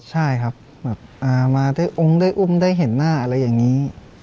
ใช่ครับแบบมาได้องค์ได้อุ้มได้เห็นหน้าอะไรอย่างนี้